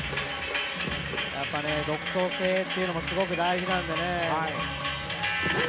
独創性というのもすごく大事なんでね。